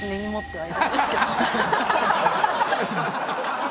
はい。